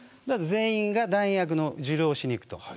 全員が弾薬の受領をしに行くと。